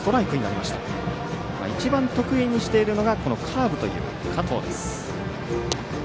一番得意にしているのがカーブという加藤です。